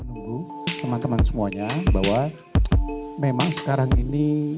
menunggu teman teman semuanya bahwa memang sekarang ini